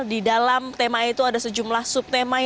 di dalam tema itu ada sejumlah subtema